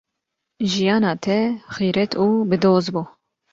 Jiyana te xîret û bi doz bû.